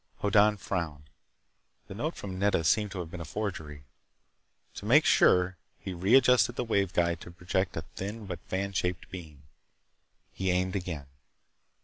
Hoddan frowned. The note from Nedda seemed to have been a forgery. To make sure, he readjusted the wave guide to project a thin but fan shaped beam. He aimed again.